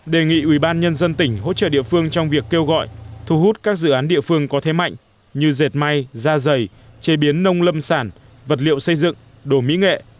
đề nghị ubnd tỉnh hỗ trợ địa phương trong việc kêu gọi thu hút các dự án địa phương có thế mạnh như dệt may da dày chế biến nông lâm sản vật liệu xây dựng đồ mỹ nghệ